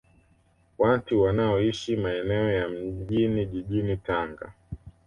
Watu wanaoishi maeneo ya Mjini jijini Tanga